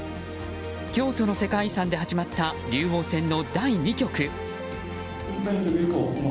京都の世界遺産で始まった竜王戦の第２局。